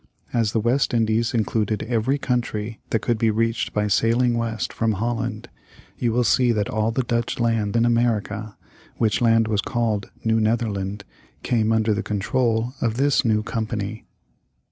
As the West Indies included every country that could be reached by sailing west from Holland, you will see that all the Dutch land in America, which land was called New Netherland, came under the control of this new company.